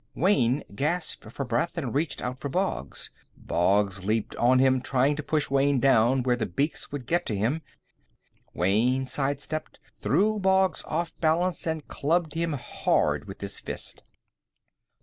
Wayne gasped for breath and reached out for Boggs. Boggs leaped on him, trying to push Wayne down where the beaks could get to him. Wayne sidestepped, threw Boggs off balance, and clubbed down hard with his fist.